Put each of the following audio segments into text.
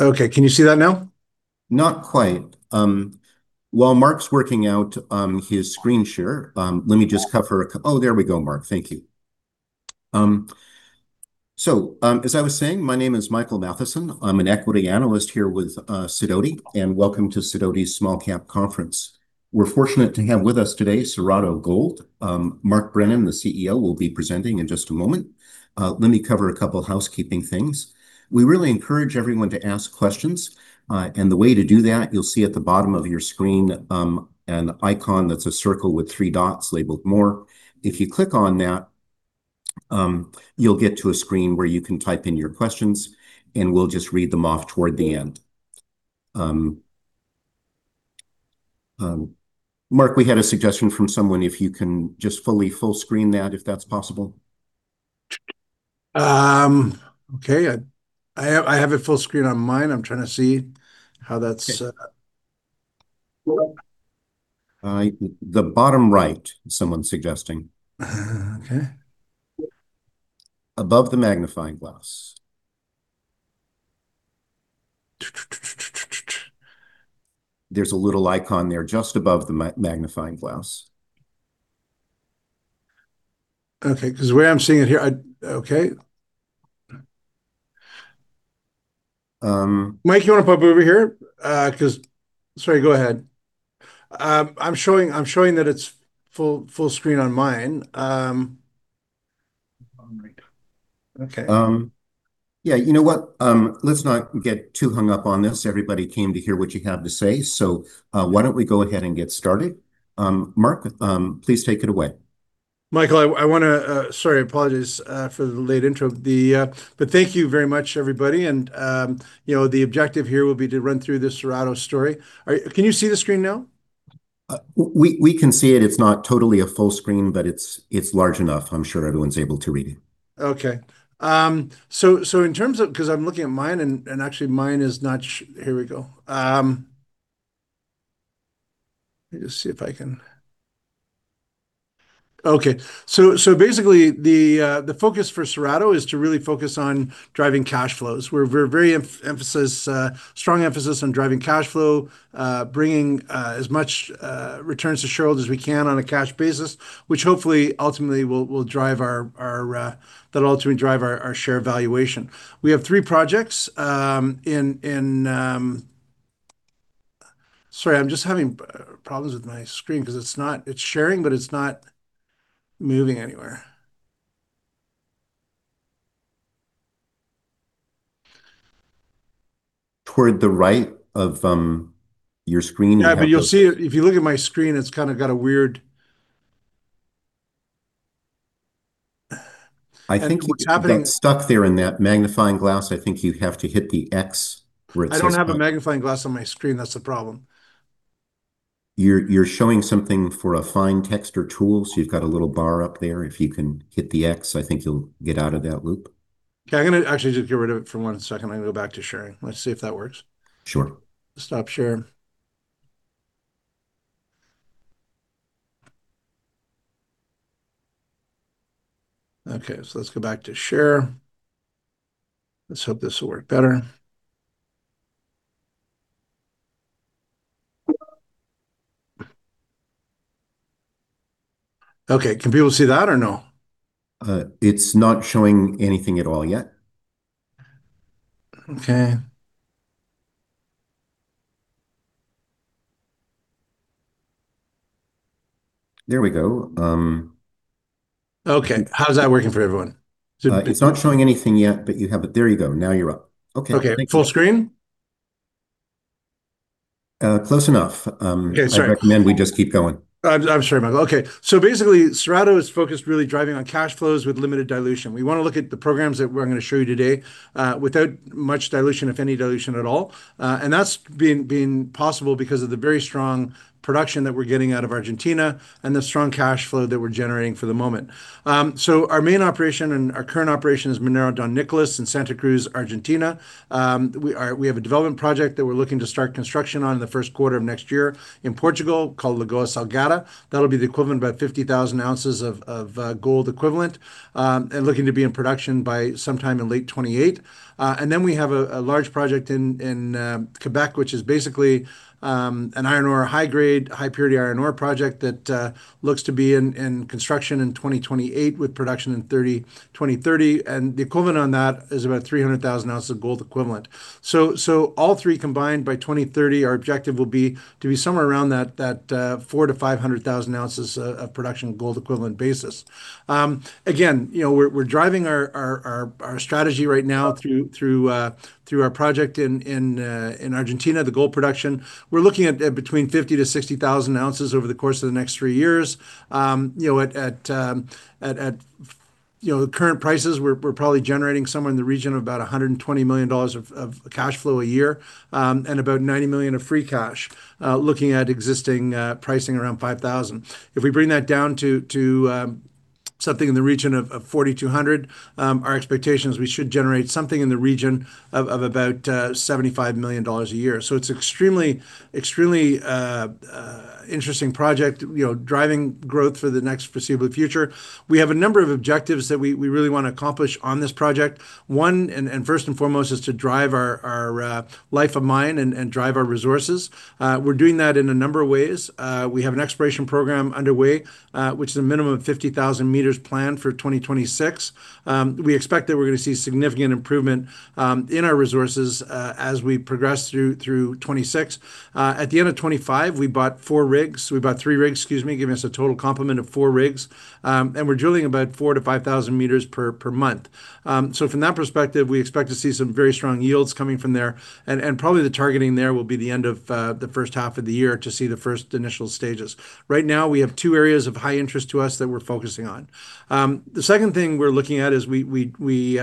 Okay. Can you see that now? Not quite. While Mark's working out his screen share, let me just cover a couple. Oh, there we go, Mark. Thank you. As I was saying, my name is Michael Mathison. I'm an equity analyst here with Sidoti, and welcome to Sidoti's Small Cap Conference. We're fortunate to have with us today Cerrado Gold. Mark Brennan, the CEO, will be presenting in just a moment. Let me cover a couple of housekeeping things. We really encourage everyone to ask questions, and the way to do that, you'll see at the bottom of your screen, an icon that's a circle with three dots labeled More. If you click on that, you'll get to a screen where you can type in your questions, and we'll just read them off toward the end. Mark, we had a suggestion from someone if you can just full screen that, if that's possible. Okay. I have it full screen on mine. I'm trying to see how that's. Okay. The bottom right, someone's suggesting. Okay. Above the magnifying glass. There's a little icon there just above the magnifying glass. Okay. 'Cause the way I'm seeing it here, okay. Um- Mike, you wanna pop over here? Sorry, go ahead. I'm showing that it's full screen on mine. Bottom right. Okay. Yeah. You know what? Let's not get too hung up on this. Everybody came to hear what you have to say. Why don't we go ahead and get started. Mark, please take it away. Michael, sorry, I apologize for the late intro. Thank you very much, everybody, and, you know, the objective here will be to run through the Cerrado story. Can you see the screen now? We can see it. It's not totally a full screen, but it's large enough. I'm sure everyone's able to read it. Basically, the focus for Cerrado is to really focus on driving cash flows, where we're very strong emphasis on driving cash flow, bringing as much returns to shareholders as we can on a cash basis, which hopefully ultimately will drive our share valuation. We have three projects in. Sorry, I'm just having problems with my screen 'cause it's not sharing, but it's not moving anywhere. Toward the right of your screen you have this. Yeah, you'll see it. If you look at my screen, it's kind of got a weird. What's happening I think you got stuck there in that magnifying glass. I think you have to hit the X where it says. I don't have a magnifying glass on my screen. That's the problem. You're showing something for a fine texture tool, so you've got a little bar up there. If you can hit the X, I think you'll get out of that loop. Okay. I'm gonna actually just get rid of it for one second, then go back to sharing. Let's see if that works. Sure. Stop share. Okay, let's go back to share. Let's hope this will work better. Okay. Can people see that or no? It's not showing anything at all yet. Okay. There we go. Okay. How's that working for everyone? It's not showing anything yet. There you go. Now you're up. Okay. Okay. Thank you. Full screen? Close enough. Okay, sorry. I recommend we just keep going. I'm sorry, Michael. Okay. Basically, Cerrado is focused really driving on cash flows with limited dilution. We wanna look at the programs that we're gonna show you today without much dilution, if any dilution at all. That's been possible because of the very strong production that we're getting out of Argentina and the strong cash flow that we're generating for the moment. Our main operation and our current operation is Minera Don Nicolás in Santa Cruz, Argentina. We have a development project that we're looking to start construction on in the first quarter of next year in Portugal, called Lagoa Salgada. That'll be the equivalent about 50,000 ounces of gold equivalent and looking to be in production by sometime in late 2028. We have a large project in Quebec, which is basically an iron ore, high-grade, high-purity iron ore project that looks to be in construction in 2028, with production in 2030. The equivalent on that is about 300,000 ounces of gold equivalent. All three combined, by 2030 our objective will be to be somewhere around that 400,000-500,000 ounces of production gold equivalent basis. Again, you know, we're driving our strategy right now through our project in Argentina, the gold production. We're looking at between 50,000-60,000 ounces over the course of the next three years. You know, at the current prices we're probably generating somewhere in the region of about $120 million of cashflow a year, and about $90 million of free cash, looking at existing pricing around 5,000. If we bring that down to something in the region of 4,200. Our expectation is we should generate something in the region of about $75 million a year. It's extremely interesting project, you know, driving growth for the next foreseeable future. We have a number of objectives that we really wanna accomplish on this project. One, first and foremost, is to drive our life of mine and drive our resources. We're doing that in a number of ways. We have an exploration program underway, which is a minimum of 50,000 meters planned for 2026. We expect that we're gonna see significant improvement in our resources as we progress through 2026. At the end of 2025, we bought three rigs, excuse me, giving us a total complement of four rigs. We're drilling about 4,000-5,000 meters per month. From that perspective, we expect to see some very strong yields coming from there, and probably the targeting there will be the end of the first half of the year to see the first initial stages. Right now, we have two areas of high interest to us that we're focusing on. The second thing we're looking at is we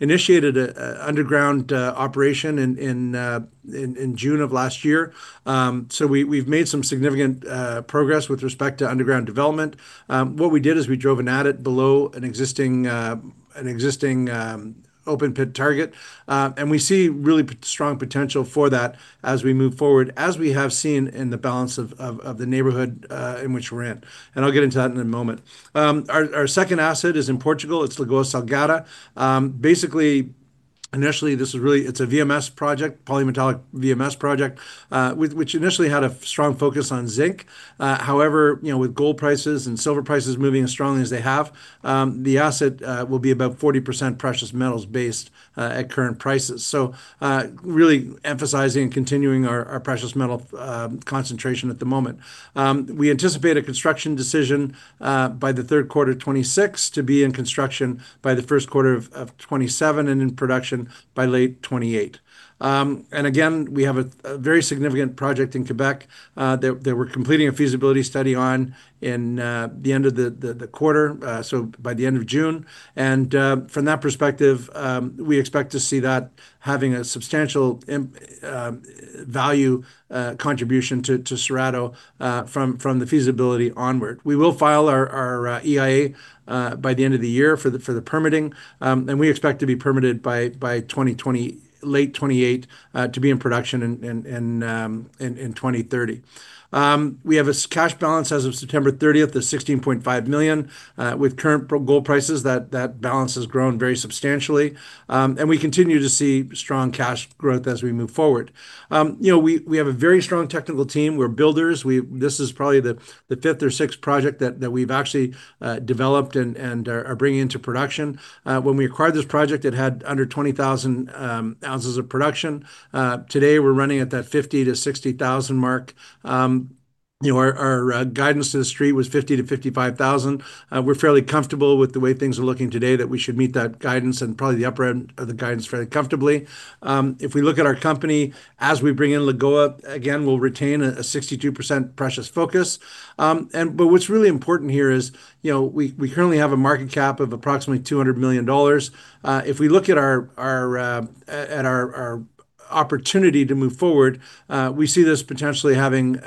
initiated an underground operation in June of last year. So we've made some significant progress with respect to underground development. What we did is we drove an adit below an existing open pit target. We see really strong potential for that as we move forward, as we have seen in the balance of the neighborhood in which we're in. I'll get into that in a moment. Our second asset is in Portugal. It's Lagoa Salgada. Basically, initially, this is really a VMS project, polymetallic VMS project, which initially had a strong focus on zinc. However, you know, with gold prices and silver prices moving as strongly as they have, the asset will be about 40% precious metals based at current prices. Really emphasizing and continuing our precious metal concentration at the moment. We anticipate a construction decision by the third quarter of 2026 to be in construction by the first quarter of 2027 and in production by late 2028. Again, we have a very significant project in Quebec that we're completing a feasibility study on by the end of the quarter, so by the end of June. From that perspective, we expect to see that having a substantial value contribution to Cerrado from the feasibility onward. We will file our EIA by the end of the year for the permitting, and we expect to be permitted by late 2028 to be in production in 2030. We have a cash balance as of September thirtieth of 16.5 million. With current gold prices, that balance has grown very substantially, and we continue to see strong cash growth as we move forward. You know, we have a very strong technical team. We're builders. This is probably the fifth or sixth project that we've actually developed and are bringing into production. When we acquired this project, it had under 20,000 ounces of production. Today we're running at that 50,000-60,000 mark. You know, our guidance to The Street was 50-55 thousand. We're fairly comfortable with the way things are looking today that we should meet that guidance and probably the upper end of the guidance fairly comfortably. If we look at our company as we bring in Lagoa, again, we'll retain a 62% precious focus. But what's really important here is, you know, we currently have a market cap of approximately $200 million. If we look at our opportunity to move forward, we see this potentially having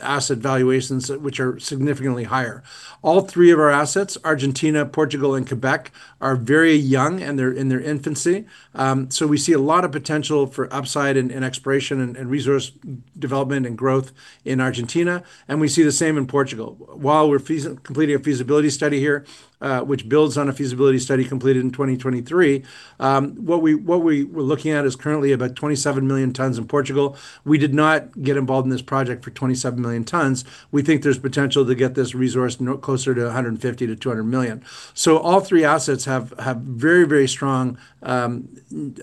asset valuations which are significantly higher. All three of our assets, Argentina, Portugal, and Quebec, are very young, and they're in their infancy. We see a lot of potential for upside and exploration and resource development and growth in Argentina, and we see the same in Portugal. While we're completing a feasibility study here, which builds on a feasibility study completed in 2023, what we were looking at is currently about 27 million tons in Portugal. We did not get involved in this project for 27 million tons. We think there's potential to get this resource closer to 150-200 million. All three assets have very strong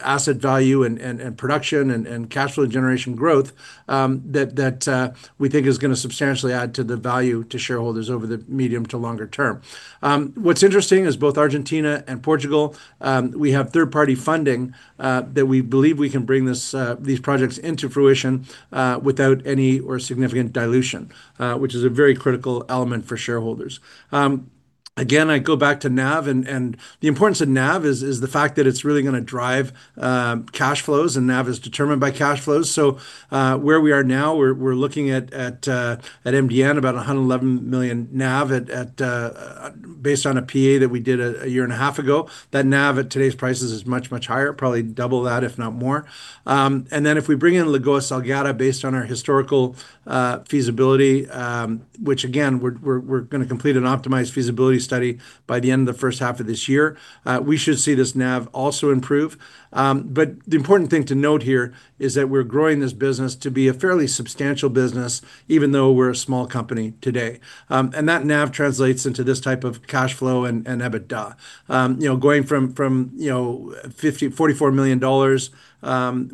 asset value and production and cash flow generation growth, that we think is gonna substantially add to the value to shareholders over the medium to longer term. What's interesting is both Argentina and Portugal, we have third-party funding that we believe we can bring these projects into fruition without any or significant dilution, which is a very critical element for shareholders. Again, I go back to NAV and the importance of NAV is the fact that it's really gonna drive cash flows, and NAV is determined by cash flows. Where we are now, we're looking at MDN, about 111 million NAV based on a PEA that we did a year and a half ago. That NAV at today's prices is much higher, probably double that, if not more. If we bring in Lagoa Salgada based on our historical feasibility, which again, we're gonna complete an optimized feasibility study by the end of the first half of this year, we should see this NAV also improve. The important thing to note here is that we're growing this business to be a fairly substantial business, even though we're a small company today. That NAV translates into this type of cash flow and EBITDA. You know, going from $44 million,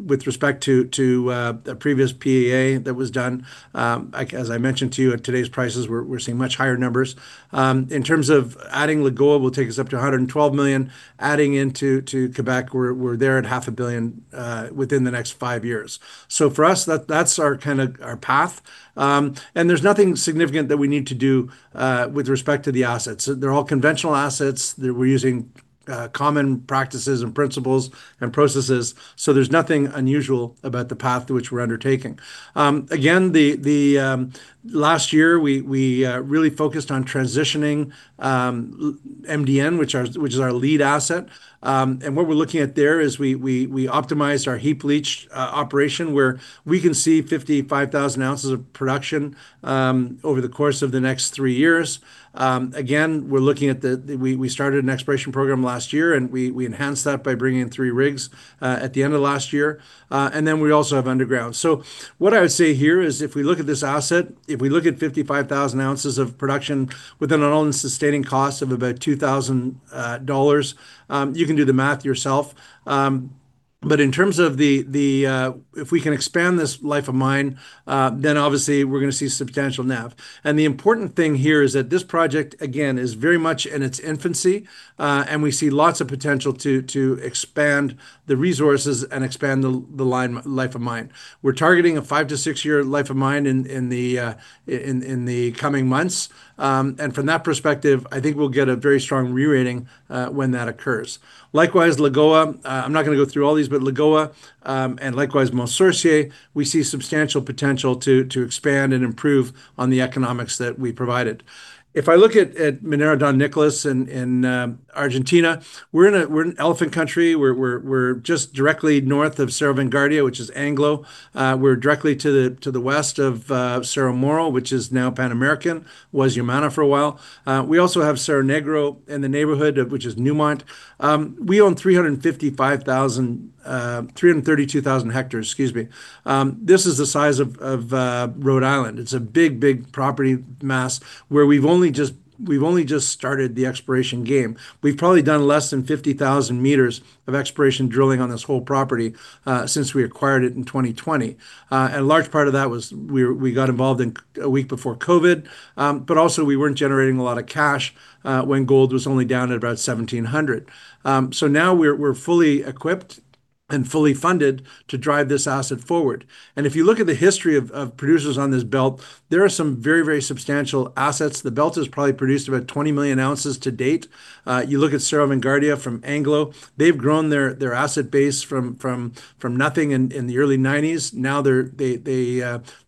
with respect to a previous PEA that was done, like as I mentioned to you, at today's prices, we're seeing much higher numbers. In terms of adding Lagoa will take us up to 112 million, adding into Quebec, we're there at CAD half a billion within the next five years. For us, that's our kind of path. There's nothing significant that we need to do with respect to the assets. They're all conventional assets that we're using common practices and principles and processes. There's nothing unusual about the path which we're undertaking. Again, the last year, we really focused on transitioning MDN, which is our lead asset. What we're looking at there is we optimized our heap leach operation, where we can see 55,000 ounces of production over the course of the next three years. Again, we started an exploration program last year, and we enhanced that by bringing in 3 rigs at the end of last year. We also have underground. What I would say here is if we look at this asset, if we look at 55,000 ounces of production within an all-in sustaining cost of about $2,000, you can do the math yourself. If we can expand this life of mine, then obviously we're gonna see substantial NAV. The important thing here is that this project, again, is very much in its infancy, and we see lots of potential to expand the resources and expand the life of mine. We're targeting a 5- to 6-year life of mine in the coming months. From that perspective, I think we'll get a very strong rerating when that occurs. Likewise, Lagoa, I'm not gonna go through all these, but Lagoa, and likewise Mont Sorcier, we see substantial potential to expand and improve on the economics that we provided. If I look at Minera Don Nicolás in Argentina, we're in elephant country. We're just directly north of Cerro Vanguardia, which is Anglo. We're directly to the west of Cerro Moro, which is now Pan American, was Yamana for a while. We also have Cerro Negro in the neighborhood, of which is Newmont. We own 355,000, 332,000 hectares, excuse me. This is the size of Rhode Island. It's a big property mass where we've only just started the exploration game. We've probably done less than 50,000 meters of exploration drilling on this whole property since we acquired it in 2020. A large part of that was we got involved a week before COVID, but also we weren't generating a lot of cash when gold was only down at about $1,700. Now we're fully equipped and fully funded to drive this asset forward. If you look at the history of producers on this belt, there are some very substantial assets. The belt has probably produced about 20 million ounces to date. You look at Cerro Vanguardia from Anglo. They've grown their asset base from nothing in the early 1990s. Now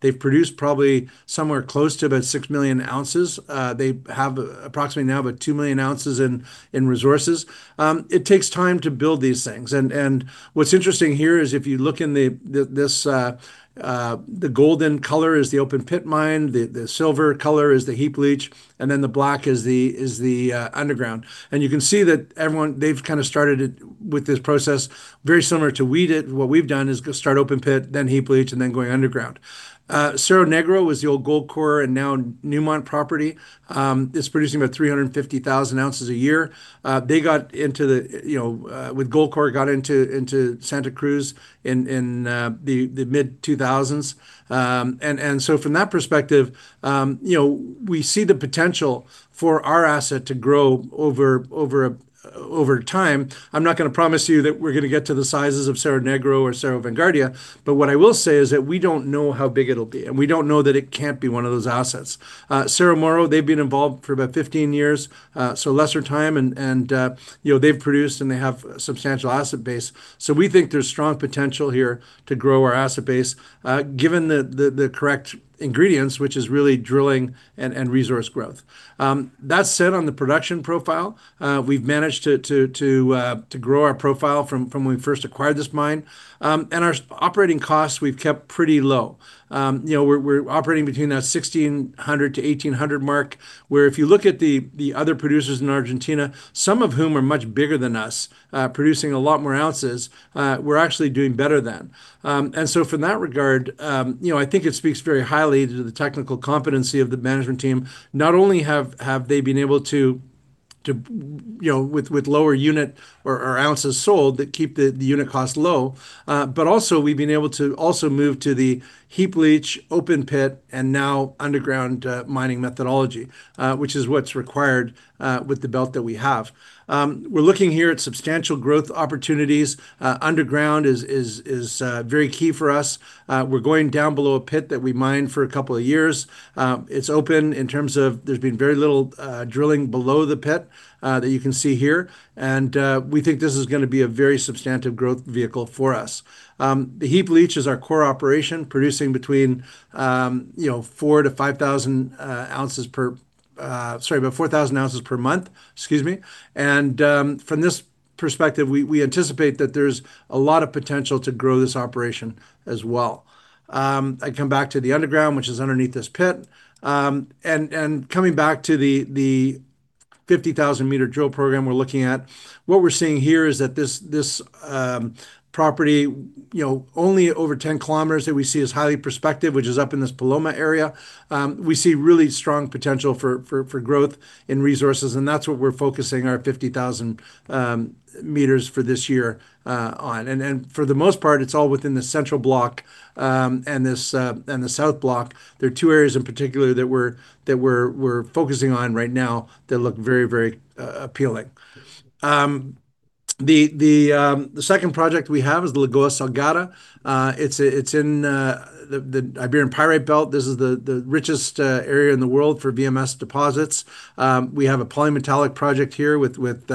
they've produced probably somewhere close to about 6 million ounces. They have approximately now about 2 million ounces in resources. It takes time to build these things. What's interesting here is if you look at the golden color is the open pit mine, the silver color is the heap leach, and then the black is the underground. You can see that everyone, they've kinda started it with this process very similar to what we did. What we've done is go start open pit, then heap leach, and then going underground. Cerro Negro was the old Goldcorp and now Newmont property. It's producing about 350,000 ounces a year. They got into Santa Cruz with Goldcorp in the mid-2000s. From that perspective, you know, we see the potential for our asset to grow over time. I'm not gonna promise you that we're gonna get to the sizes of Cerro Negro or Cerro Vanguardia, but what I will say is that we don't know how big it'll be, and we don't know that it can't be one of those assets. Cerro Moro, they've been involved for about 15 years, so lesser time and, you know, they've produced and they have substantial asset base. We think there's strong potential here to grow our asset base, given the correct ingredients, which is really drilling and resource growth. That said, on the production profile, we've managed to grow our profile from when we first acquired this mine. Our operating costs we've kept pretty low. You know, we're operating between that $1,600-$1,800 mark, where if you look at the other producers in Argentina, some of whom are much bigger than us, producing a lot more ounces, we're actually doing better than. In that regard, you know, I think it speaks very highly to the technical competency of the management team. Not only have they been able to, you know, with lower units or ounces sold that keep the unit cost low, but also we've been able to also move to the heap leach, open pit, and now underground mining methodology, which is what's required with the belt that we have. We're looking here at substantial growth opportunities. Underground is very key for us. We're going down below a pit that we mined for a couple of years. It's open in terms of there's been very little drilling below the pit that you can see here. We think this is gonna be a very substantive growth vehicle for us. The heap leach is our core operation, producing between 4,000-5,000 ounces per. Sorry, about 4,000 ounces per month. Excuse me. From this perspective, we anticipate that there's a lot of potential to grow this operation as well. I come back to the underground, which is underneath this pit. Coming back to the 50,000-meter drill program we're looking at, what we're seeing here is that this property, you know, only over 10 kilometers that we see is highly prospective, which is up in this Paloma area. We see really strong potential for growth in resources, and that's what we're focusing our 50,000 meters for this year on. For the most part, it's all within the central block and the south block. There are two areas in particular that we're focusing on right now that look very appealing. The second project we have is Lagoa Salgada. It's in the Iberian Pyrite Belt. This is the richest area in the world for VMS deposits. We have a polymetallic project here with, you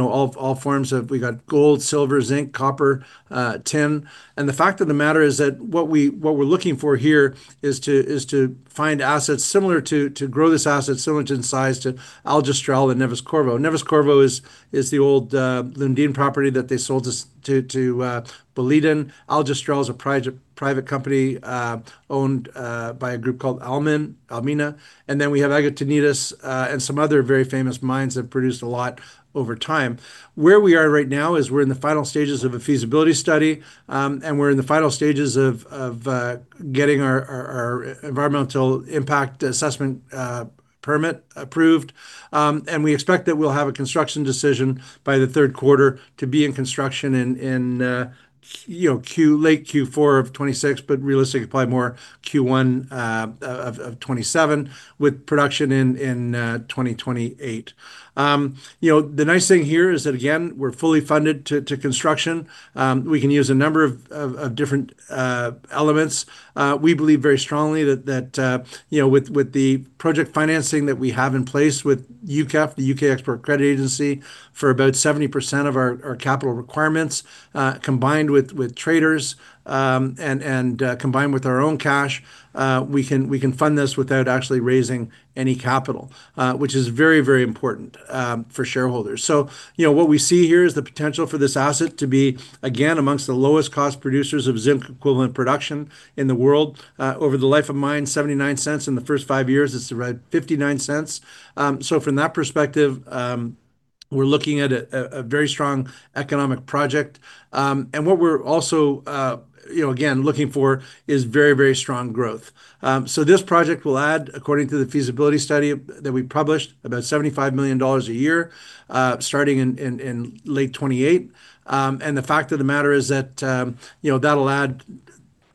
know, all forms of. We got gold, silver, zinc, copper, tin. The fact of the matter is that what we're looking for here is to find assets similar to grow this asset similar to the size to Aljustrel and Neves-Corvo. Neves-Corvo is the old Lundin property that they sold to Boliden. Aljustrel is a private company owned by a group called Almina. We have Aljustrel and some other very famous mines that produced a lot over time. Where we are right now is we're in the final stages of a feasibility study, and we're in the final stages of getting our environmental impact assessment permit approved. We expect that we'll have a construction decision by the third quarter to be in construction in late Q4 of 2026, but realistically probably more Q1 of 2027 with production in 2028. You know, the nice thing here is that again, we're fully funded to construction. We can use a number of different elements. We believe very strongly that, you know, with the project financing that we have in place with UKEF, UK Export Finance, for about 70% of our capital requirements, combined with traders and combined with our own cash, we can fund this without actually raising any capital, which is very, very important for shareholders. You know, what we see here is the potential for this asset to be, again, among the lowest cost producers of zinc-equivalent production in the world. Over the life of mine, $0.79 in the first 5 years. It's about $0.59. From that perspective, we're looking at a very strong economic project. What we're also, you know, again, looking for is very, very strong growth. This project will add, according to the feasibility study that we published, about $75 million a year, starting in late 2028. The fact of the matter is that, you know, that'll add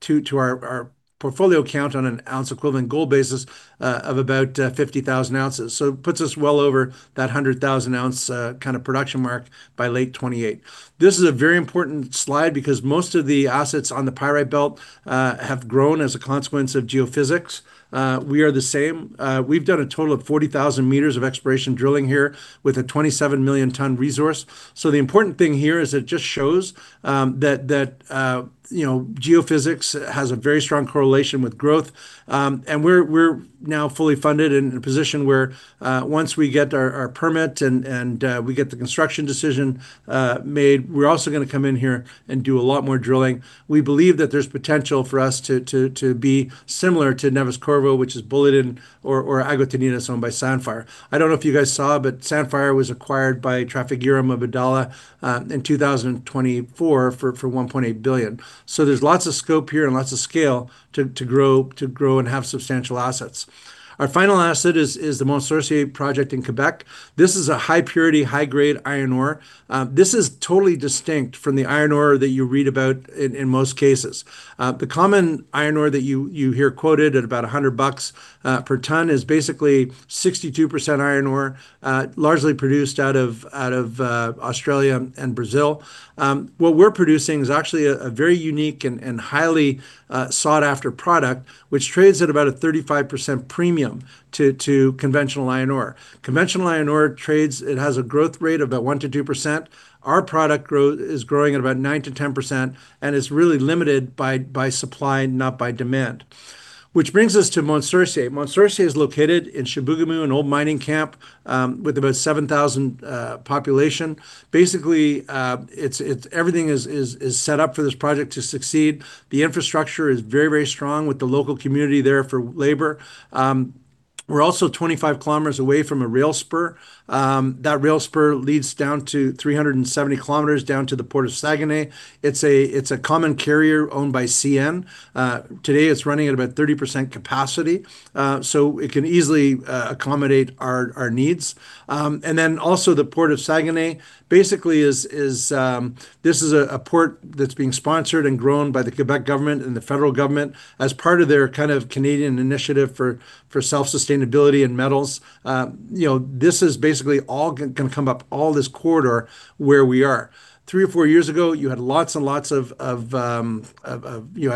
to our portfolio count on an ounce equivalent gold basis of about 50,000 ounces. It puts us well over that 100,000 ounce kind of production mark by late 2028. This is a very important slide because most of the assets on the Pyrite Belt have grown as a consequence of geophysics. We are the same. We've done a total of 40,000 meters of exploration drilling here with a 27 million ton resource. The important thing here is it just shows that, you know, geophysics has a very strong correlation with growth. We're now fully funded in a position where once we get our permit and we get the construction decision made, we're also gonna come in here and do a lot more drilling. We believe that there's potential for us to be similar to Neves-Corvo, which is Boliden or Aguas Teñidas owned by Sandfire. I don't know if you guys saw, but Sandfire was acquired by Trafigura and Mubadala in 2024 for 1.8 billion. There's lots of scope here and lots of scale to grow and have substantial assets. Our final asset is the Mont Sorcier project in Québec. This is a high purity, high grade iron ore. This is totally distinct from the iron ore that you read about in most cases. The common iron ore that you hear quoted at about $100 per ton is basically 62% iron ore, largely produced out of Australia and Brazil. What we're producing is actually a very unique and highly sought-after product, which trades at about a 35% premium to conventional iron ore. Conventional iron ore. It has a growth rate of about 1%-2%. Our product growth is growing at about 9%-10% and is really limited by supply, not by demand. Which brings us to Mont Sorcier. Mont Sorcier is located in Chibougamau, an old mining camp, with about 7,000 population. Basically, it's everything is set up for this project to succeed. The infrastructure is very, very strong with the local community there for labor. We're also 25 kilometers away from a rail spur. That rail spur leads down to 370 kilometers down to the Port of Saguenay. It's a common carrier owned by CN. Today it's running at about 30% capacity, so it can easily accommodate our needs. The Port of Saguenay basically is a port that's being sponsored and grown by the Quebec government and the federal government as part of their kind of Canadian initiative for self-sustainability in metals. You know, this is basically all gonna come up all this corridor where we are. Three or four years ago, you had lots and lots of, you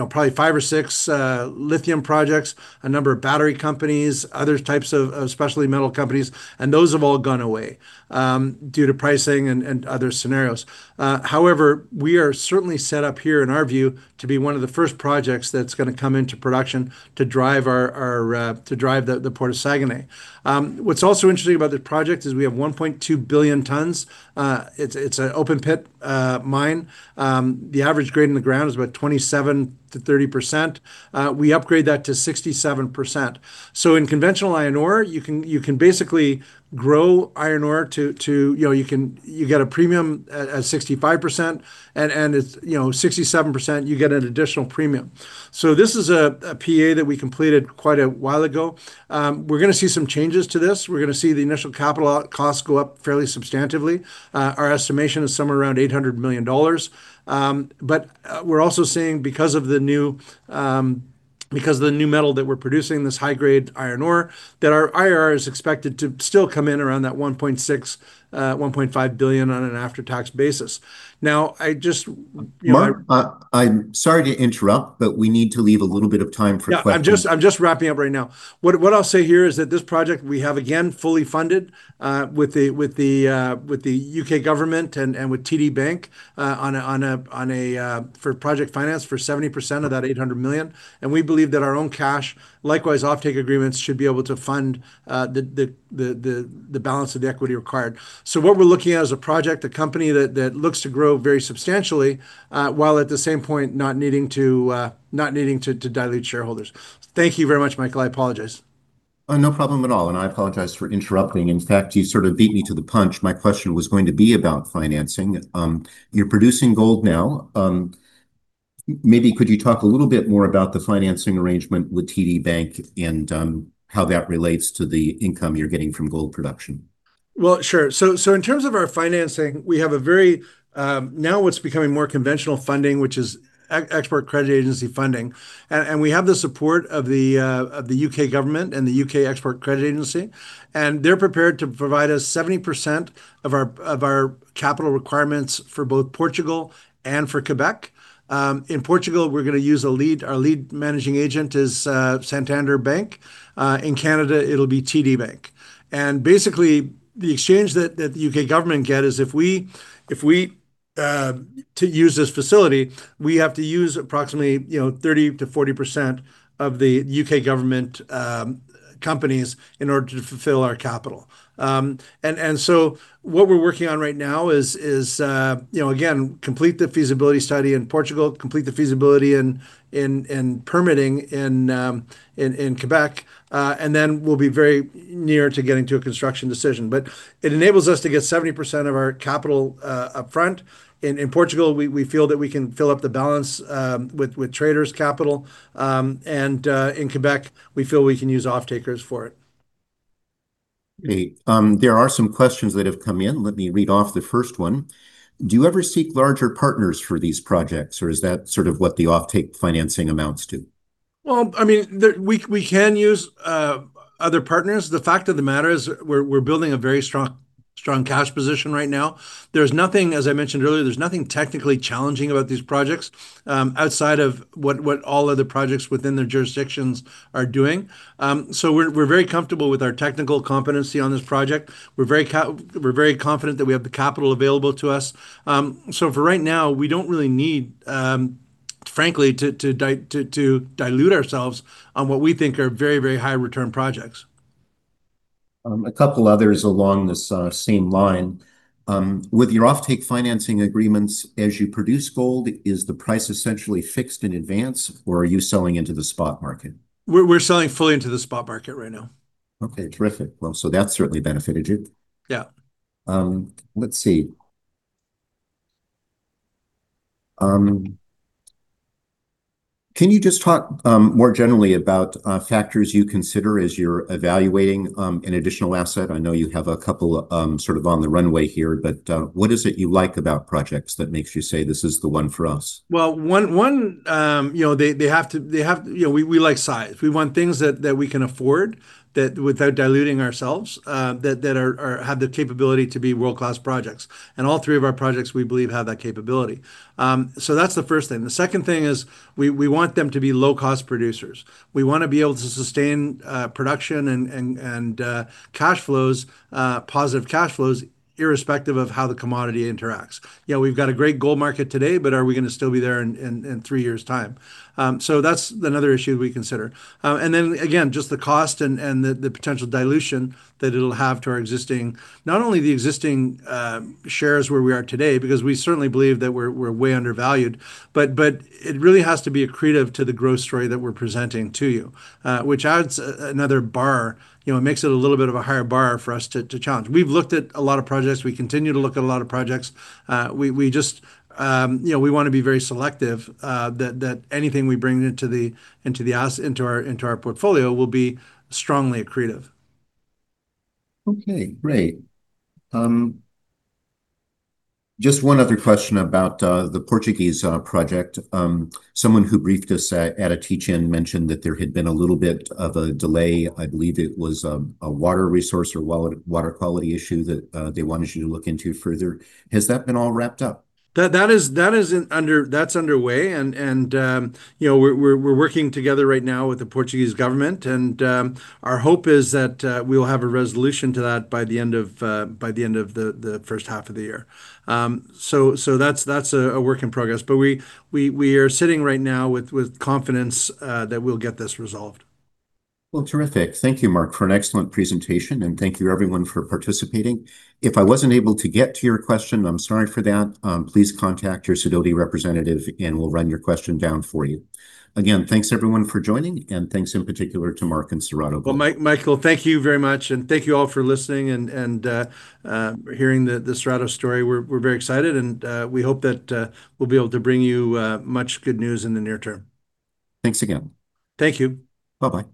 know, probably five or six lithium projects, a number of battery companies, other types of specialty metal companies, and those have all gone away due to pricing and other scenarios. However, we are certainly set up here, in our view, to be one of the first projects that's gonna come into production to drive the Port of Saguenay. What's also interesting about this project is we have 1.2 billion tons. It's an open pit mine. The average grade in the ground is about 27%-30%. We upgrade that to 67%. In conventional iron ore, you can basically grow iron ore to you know you get a premium at 65% and it's you know 67%, you get an additional premium. This is a PEA that we completed quite a while ago. We're gonna see some changes to this. We're gonna see the initial capital costs go up fairly substantively. Our estimation is somewhere around 800 million dollars. But we're also seeing because of the new metal that we're producing, this high-grade iron ore, that our NPV is expected to still come in around that 1.6, 1.5 billion on an after-tax basis. Now I just you know Mark, I'm sorry to interrupt, but we need to leave a little bit of time for questions. Yeah. I'm just wrapping up right now. What I'll say here is that this project we have, again, fully funded, with the UK government and with TD Bank, for project finance for 70% of that 800 million, and we believe that our own cash, likewise off-take agreements should be able to fund the balance of the equity required. What we're looking at is a project, a company that looks to grow very substantially, while at the same point not needing to dilute shareholders. Thank you very much, Michael. I apologize. Oh, no problem at all, and I apologize for interrupting. In fact, you sort of beat me to the punch. My question was going to be about financing. You're producing gold now. Maybe could you talk a little bit more about the financing arrangement with TD Bank and how that relates to the income you're getting from gold production? Well, sure. In terms of our financing, we have a very now what's becoming more conventional funding, which is export credit agency funding, and we have the support of the UK government and UK Export Finance, and they're prepared to provide us 70% of our capital requirements for both Portugal and for Quebec. In Portugal, we're gonna use our lead managing agent is Santander Bank. In Canada, it'll be TD Bank. Basically, the exchange that the UK government get is if we to use this facility, we have to use approximately, you know, 30%-40% of the UK government companies in order to fulfill our capital. What we're working on right now is, you know, again, complete the feasibility study in Portugal, complete the feasibility and permitting in Quebec, and then we'll be very near to getting to a construction decision. It enables us to get 70% of our capital upfront. In Portugal, we feel that we can fill up the balance with traders' capital. In Quebec, we feel we can use off-takers for it. Great. There are some questions that have come in. Let me read off the first one. Do you ever seek larger partners for these projects, or is that sort of what the off-take financing amounts to? I mean, we can use other partners. The fact of the matter is we're building a very strong cash position right now. As I mentioned earlier, there's nothing technically challenging about these projects, outside of what all other projects within the jurisdictions are doing. We're very comfortable with our technical competency on this project. We're very confident that we have the capital available to us. For right now we don't really need, frankly, to dilute ourselves on what we think are very high return projects. A couple others along this same line. With your off-take financing agreements, as you produce gold, is the price essentially fixed in advance, or are you selling into the spot market? We're selling fully into the spot market right now. Okay. Terrific. Well, that's certainly benefited you. Yeah. Can you just talk more generally about factors you consider as you're evaluating an additional asset? I know you have a couple sort of on the runway here, but what is it you like about projects that makes you say, "This is the one for us"? Well, one, you know, they have to, you know, we like size. We want things that we can afford without diluting ourselves, that have the capability to be world-class projects. All three of our projects, we believe, have that capability. That's the first thing. The second thing is we want them to be low-cost producers. We want to be able to sustain production and cash flows, positive cash flows, irrespective of how the commodity interacts. You know, we've got a great gold market today, but are we gonna still be there in three years' time? That's another issue we consider. Just the cost and the potential dilution that it'll have to our existing shares where we are today, because we certainly believe that we're way undervalued, but it really has to be accretive to the growth story that we're presenting to you. Which adds another bar, you know, it makes it a little bit of a higher bar for us to challenge. We've looked at a lot of projects. We continue to look at a lot of projects. We just, you know, we wanna be very selective that anything we bring into our portfolio will be strongly accretive. Okay. Great. Just one other question about the Portuguese project. Someone who briefed us at a teach-in mentioned that there had been a little bit of a delay. I believe it was a water resource or water quality issue that they wanted you to look into further. Has that been all wrapped up? That is underway and you know we're working together right now with the Portuguese government and our hope is that we'll have a resolution to that by the end of the first half of the year. That's a work in progress. We are sitting right now with confidence that we'll get this resolved. Well, terrific. Thank you, Mark, for an excellent presentation, and thank you everyone for participating. If I wasn't able to get to your question, I'm sorry for that. Please contact your Sidoti representative, and we'll run your question down for you. Again, thanks everyone for joining and thanks in particular to Mark and Cerrado Gold. Well, Michael, thank you very much and thank you all for listening and hearing the Cerrado story. We're very excited, and we hope that we'll be able to bring you much good news in the near term. Thanks again. Thank you. Bye-bye.